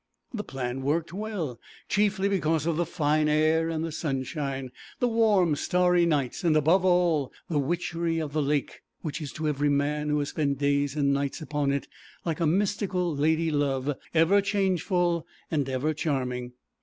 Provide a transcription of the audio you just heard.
The plan worked well, chiefly because of the fine air and the sunshine, the warm starry nights, and, above all, the witchery of the lake, which is to every man who has spent days and nights upon it like a mystical lady love, ever changeful and ever charming.